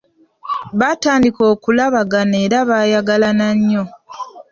Baatandika okulabagana era bayagalana nnyo .